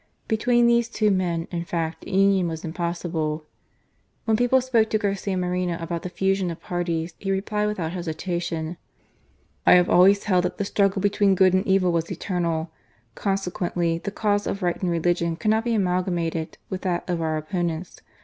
Between these two men, in fact, union was impossible. When people spoke HIS RE ELECTION. 287 to Garcia Moreno about the fusion of parties, he replied without hesitation : "I have always held that the struggle between good and evil was eternal. Consequently the cause of right and religion cannot be amalgamated with that of our opponents.